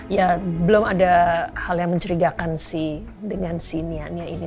ya belum ada hal yang mencerigakan dengan si nia ini